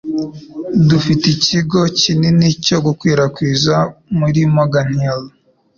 Dufite ikigo kinini cyo gukwirakwiza muri Morgan Hill